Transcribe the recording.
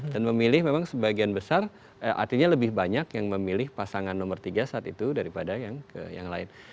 dan memilih memang sebagian besar artinya lebih banyak yang memilih pasangan nomor tiga saat itu daripada yang lain